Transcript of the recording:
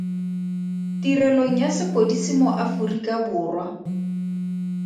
Tirelong ya Sepodisi mo Aforika Borwa.